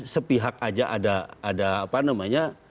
sepihak aja ada